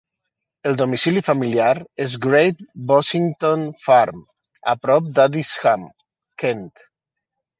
El domicili familiar és Great Bossington Farm, a prop d'Adisham, Kent.